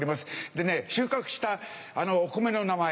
でね収穫したお米の名前